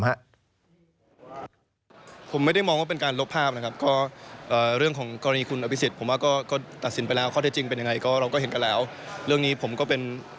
ถามไอติมก็ต้องมีคำถามแน่นอน